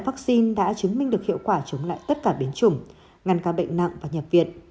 vắc xin đã chứng minh được hiệu quả chống lại tất cả biến chủng ngăn cản bệnh nặng và nhập viện